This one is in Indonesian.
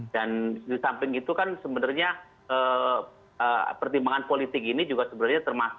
dan di samping itu kan sebenarnya pertimbangan politik ini juga termasuk desakan politik dari partai pdi